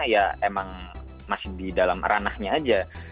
ya emang masih di dalam ranahnya aja